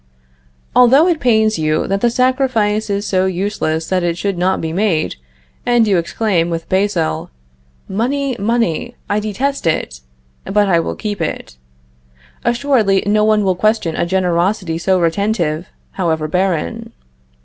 Although it pains you that the sacrifice is so useless that it should not be made, and you exclaim, with Basile, "Money! money! I detest it but I will keep it," assuredly no one will question a generosity so retentive, however barren.